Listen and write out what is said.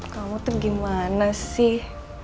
kamu tuh gimana sih